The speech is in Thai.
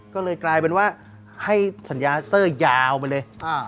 ก็เลยกลายเป็นว่าให้สัญญาเซอร์ยาวไปเลย